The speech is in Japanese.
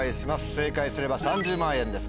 正解すれば３０万円です